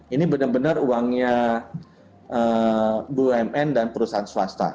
ini benar benar uangnya bumn dan perusahaan swasta